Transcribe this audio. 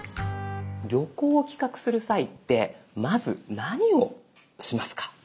旅行を企画する際ってまず何をしますか？